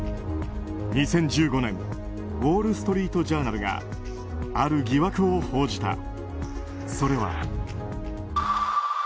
２０１５年ウォール・ストリート・ジャーナルがある疑惑を報じた。